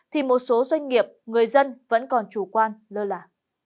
thì một số doanh nghiệp người dân vẫn còn chủ quan lơ là